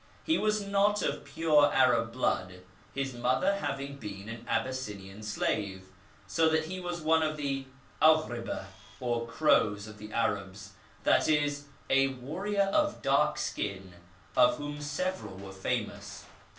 He was not of pure Arab blood, his mother having been an Abys sinian slave, so that he was one of the Aghj ibeh, or Crows, of the Arabs, that is, a warrior of dark skin, of whom several were famous.